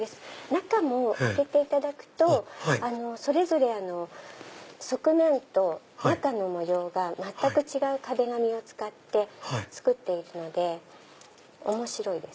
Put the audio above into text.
中も開けていただくとそれぞれ側面と中の模様が全く違う壁紙を使って作っているので面白いです。